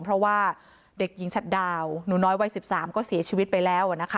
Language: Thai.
เพราะว่าเด็กหญิงฉัดดาวหนูน้อยวัย๑๓ก็เสียชีวิตไปแล้วนะคะ